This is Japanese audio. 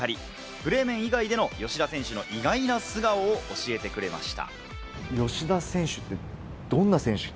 プレー以外での吉田選手の意外な素顔を教えてくれました。